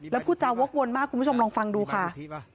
แล้วพูดจาวกวนมากคุณผู้ชมลองฟังดูค่ะ